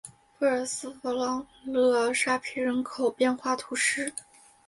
布尔斯弗朗勒沙皮人口变化图示